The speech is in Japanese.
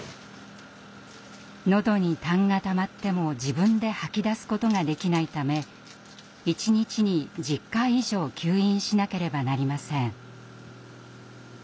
のどに痰がたまっても自分で吐き出すことができないため一日に１０回以上吸引しなければなりません。